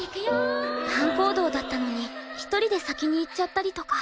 班行動だったのに１人で先に行っちゃったりとか。